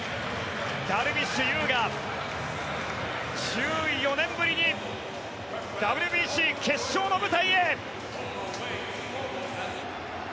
ダルビッシュ有が１４年ぶりにＷＢＣ決勝の舞台へ。